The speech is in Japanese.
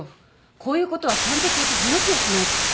こういうことはちゃんと聞いて話をしないと。